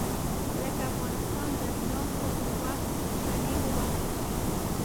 لکه افغانستان د اجناسو پر وخت چنې ووهل شي.